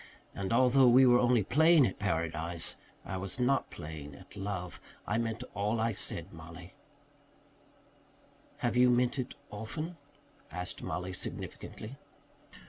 And although we were only playing at paradise, I was not playing at love. I meant all I said, Mollie." "Have you meant it often?" asked Mollie significantly.